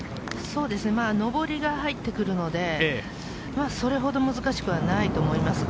上りが入ってくるのでそれほど難しくはないと思います。